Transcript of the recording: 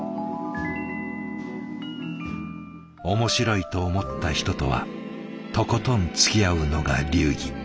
面白いと思った人とはとことんつきあうのが流儀。